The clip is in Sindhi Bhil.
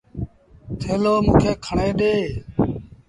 ٿيلو موݩ کي کڻي ڏي۔